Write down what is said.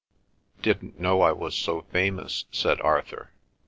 "Didn't know I was so famous," said Arthur.